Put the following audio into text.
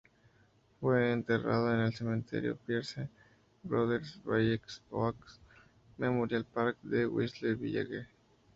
Fue enterrado en el cementerio Pierce Brothers Valley Oaks Memorial Park de Westlake Village.